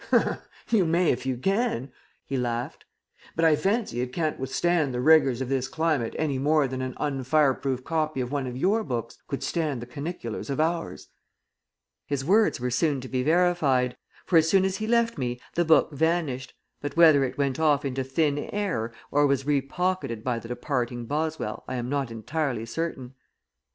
"You may if you can," he laughed. "But I fancy it can't withstand the rigors of this climate any more than an unfireproof copy of one of your books could stand the caniculars of ours." His words were soon to be verified, for as soon as he left me the book vanished, but whether it went off into thin air or was repocketed by the departing Boswell I am not entirely certain.